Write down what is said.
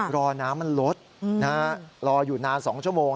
รอน้ำมันลดรออยู่นาน๒ชั่วโมง